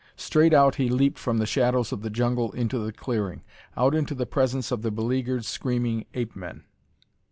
Straight out he leaped from the shadows of the jungle into the clearing, out into the presence of the beleagured, screaming ape men.